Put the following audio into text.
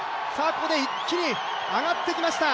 ここで一気に上がってきました。